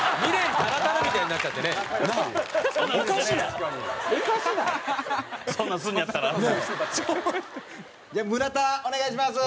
じゃあ村田お願いします。